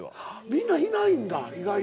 みんないないんだ意外と。